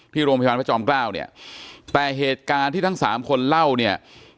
ที่โรงพยาบาลพระจอมเกล้าเนี่ยแต่เหตุการณ์ที่ทั้งสามคนเล่าเนี่ย